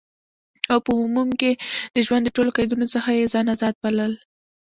او په عموم کی د ژوند د ټولو قیدونو څخه یی ځان آزاد بلل،